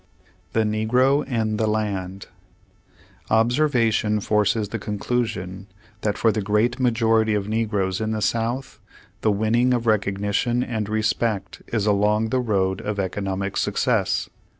2f. THE UEGEO AUD TEE LAND Observation forces the conclusion that for the great majority of negroes in the South the win ning of recognition and respect is along the road of economic success.